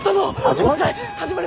始まる？